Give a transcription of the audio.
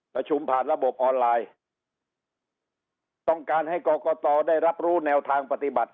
ประชุมผ่านระบบออนไลน์ต้องการให้กรกตได้รับรู้แนวทางปฏิบัติ